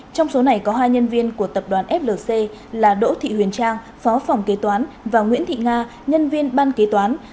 trong số này có hai nhân viên của tập đoàn flc là đỗ thị huyền trang phó phòng kế toán và nguyễn thị nga nhân viên ban kế toán